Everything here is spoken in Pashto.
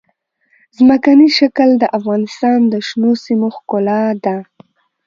ځمکنی شکل د افغانستان د شنو سیمو ښکلا ده.